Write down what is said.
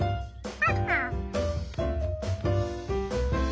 ハッハ。